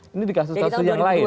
ini di kasus kasus yang lain